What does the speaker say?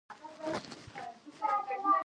سړی پړی کښته کړ.